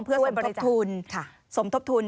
เพื่อสมทบทุน